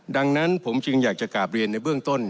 ดังนั้นผมจึงอยากจะกราบเรียนในเบื้องต้น